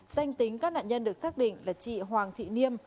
danh tính các nạn nhân được xác định là chị hoàng thị niêm